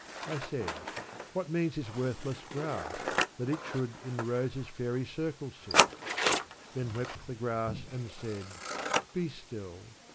I said, What means this worthless grass, that it Should in the roses' fairy circle sit?" Then wept the grass and said, '' Be still